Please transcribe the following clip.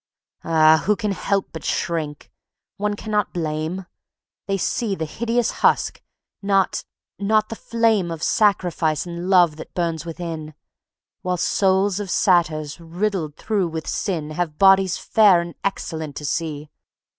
Ah! who can help but shrink? One cannot blame. They see the hideous husk, not, not the flame Of sacrifice and love that burns within; While souls of satyrs, riddled through with sin, Have bodies fair and excellent to see.